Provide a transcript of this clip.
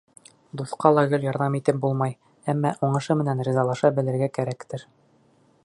Дуҫҡа ла гел ярҙам итеп булмай, әммә уңышы менән ризалаша белергә кәрәктер.